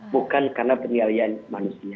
bukan karena penilaian manusia